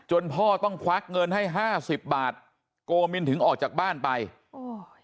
พ่อต้องควักเงินให้ห้าสิบบาทโกมินถึงออกจากบ้านไปโอ้ย